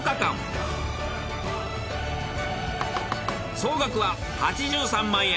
総額は８３万円。